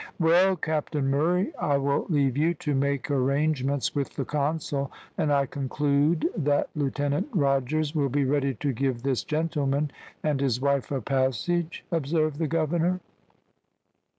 "Well, Captain Murray, I will leave you to make arrangements with the consul, and I conclude that Lieutenant Rogers will be ready to give this gentleman and his wife a passage?" observed the governor.